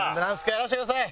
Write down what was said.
やらせてください！